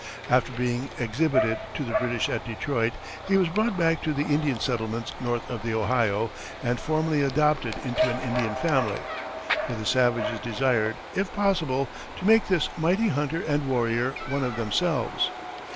After being exhibited to the British at Detroit, he was brought back to the Indian settlements north of the Ohio, and formally adopted into an Indian family, for the savages desired, if possible, to make this mighty hunter and warrior one of themselves.